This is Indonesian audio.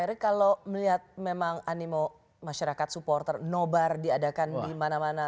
erik kalau melihat memang animo masyarakat supporter nobar diadakan di mana mana